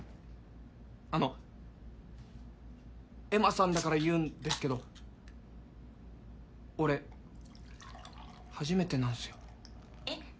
あのエマさんだから言うんですけど俺初めてなんすよえっ？